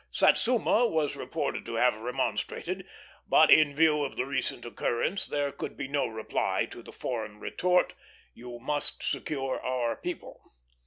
Satsuma was reported to have remonstrated; but in view of the recent occurrence there could be no reply to the foreign retort, "You must secure our people."